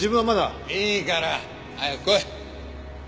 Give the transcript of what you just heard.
いいから早く来い。